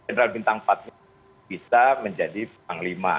general bintang empat bisa menjadi panglima